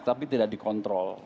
tapi tidak dikontrol